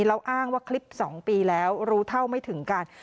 แล้วอ้างว่าคลิป๒ปีแล้วรู้เท่าไม่ถึงกัน